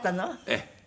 ええ。